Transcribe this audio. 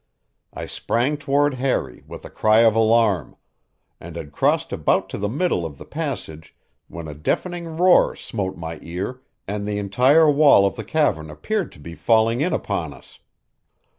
I sprang toward Harry with a cry of alarm, and had crossed about to the middle of the passage, when a deafening roar smote my ear, and the entire wall of the cavern appeared to be failing in upon us.